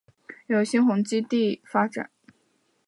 由新鸿基地产发展。